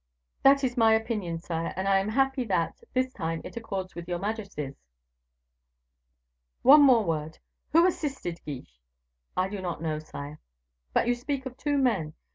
"That is my opinion, sire: I am happy that, this time, it accords with your majesty's." "One word more. Who assisted Guiche?" "I do not know, sire." "But you speak of two men.